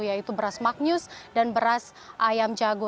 yaitu beras magnus dan beras ayam jago